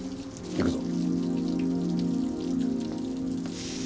行くぞ。